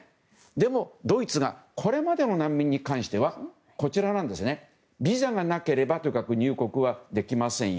でも、ドイツはこれまでの難民に関してはビザがなければとにかく入国はできませんよ。